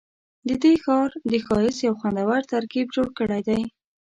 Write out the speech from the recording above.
ددې ښار د ښایست یو خوندور ترکیب جوړ کړی دی.